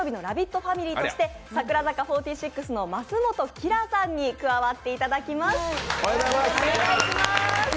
ファミリーとして櫻坂４６の増本綺良さんに加わっていただきます。